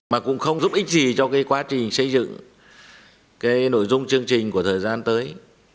mà cũng không giúp ích gì cho cái quá trình xây dựng cái nội dung chương trình của thời gian tới